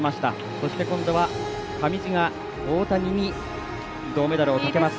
そして今度は上地が大谷に銅メダルをかけます。